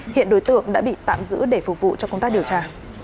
hiện đối tượng đã bị tạm giữ để phục vụ cho công tác điều tra